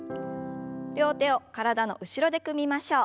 両手を体の後ろで組みましょう。